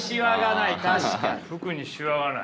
服にシワがない。